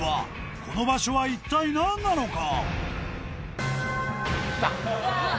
この場所は一体何なのか？